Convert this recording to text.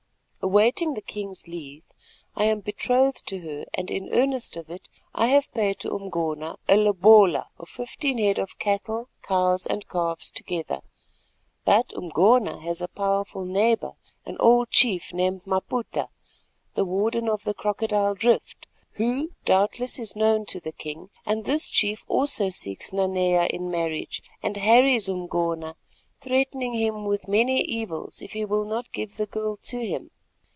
Awaiting the king's leave I am betrothed to her and in earnest of it I have paid to Umgona a lobola of fifteen head of cattle, cows and calves together. But Umgona has a powerful neighbour, an old chief named Maputa, the warden of the Crocodile Drift, who doubtless is known to the king, and this chief also seeks Nanea in marriage and harries Umgona, threatening him with many evils if he will not give the girl to him.